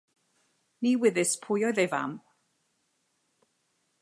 Ni wyddys pwy oedd ei fam.